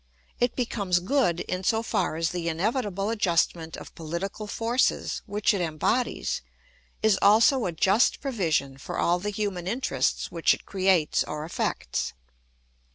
It becomes good in so far as the inevitable adjustment of political forces which it embodies is also a just provision for all the human interests which it creates or affects.